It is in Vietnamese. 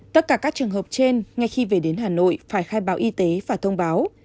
tất cả các trường hợp trên ngay khi về đến hà nội phải khai báo y tế và thông báo